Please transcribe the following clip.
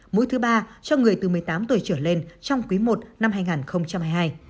mũi thứ ba cho người từ một mươi tám tuổi trở lên trong quý i năm hai nghìn hai mươi hai